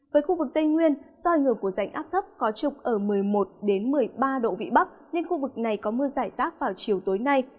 với khu vực tây nguyên do ảnh hưởng của rãnh áp thấp có trục ở một mươi một một mươi ba độ vị bắc nên khu vực này có mưa giải rác vào chiều tối nay